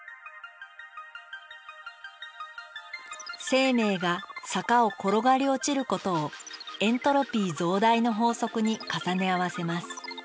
生命が坂を転がり落ちることをエントロピー増大の法則に重ね合わせます。